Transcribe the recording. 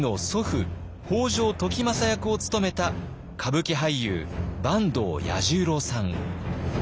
北条時政役を務めた歌舞伎俳優坂東彌十郎さん。